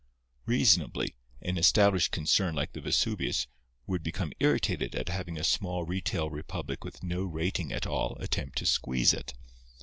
Reasonably an established concern like the Vesuvius would become irritated at having a small, retail republic with no rating at all attempt to squeeze it.